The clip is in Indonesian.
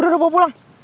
udah udah bawa pulang